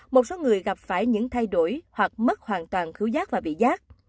một số người gặp phải những thay đổi hoặc mất hoàn toàn thiếu giác và bị giác